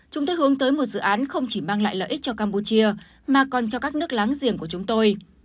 chúng tôi hướng tới một dự án không chỉ mang lại lợi ích cho campuchia mà còn cho các nước láng giềng của chúng tôi